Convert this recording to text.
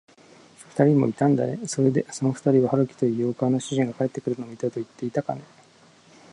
ふたりもいたんだね。それで、そのふたりは、春木という洋館の主人が帰ってくるのを見たといっていたかね。